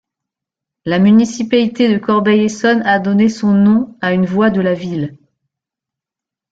La municipalité de Corbeil-Essonnes a donné son nom à une voie de la ville.